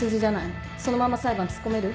そのまま裁判突っ込める？